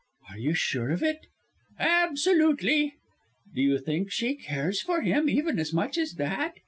"Are you sure of it?" "Absolutely!" "Do you think she cares for him, even as much as that?"